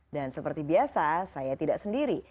dan seperti biasa saya tidak sendiri